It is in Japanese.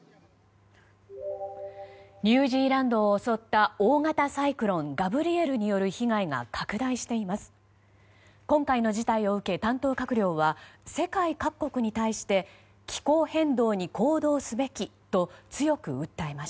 ニュージーランドを襲った大型サイクロンガブリエルによる被害が拡大しています。